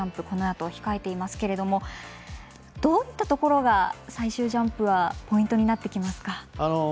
このあと控えていますけれどもどういったところが最終ジャンプはポイントになってきますか？